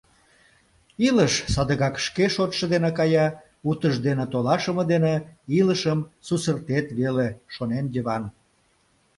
Илыш садыгак шке шотшо дене кая, утыждене толашыме дене илышым сусыртет веле, шонен Йыван.